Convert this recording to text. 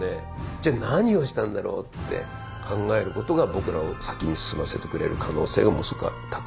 じゃあ何をしたんだろうって考えることが僕らを先に進ませてくれる可能性がものすごく高い。